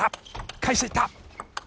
返していった！